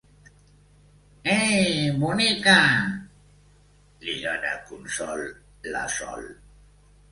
Eeeei, bonica —li dona consol la Sol—.